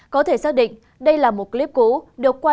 có thể xác định đây là một clip cũ